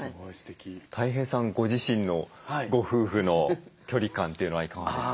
たい平さんご自身のご夫婦の距離感というのはいかがですか？